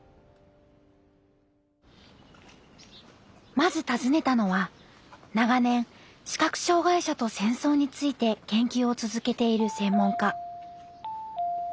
まず訪ねたのは長年視覚障害者と戦争について研究を続けている専門家。